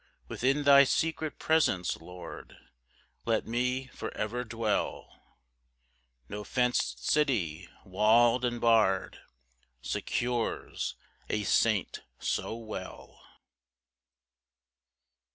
7 Within thy secret presence, Lord, Let me for ever dwell; No fenced city, wall'd and barr'd, Secures a saint so well.